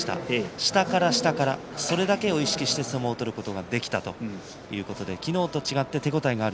下から下からそれだけを意識して相撲を取ることができたということで昨日と違って手応えがある。